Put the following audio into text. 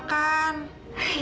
ya allah indy